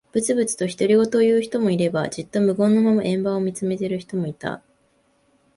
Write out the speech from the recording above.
ぶつぶつと独り言を言う人もいれば、じっと無言のまま円盤を見つめている人もいた。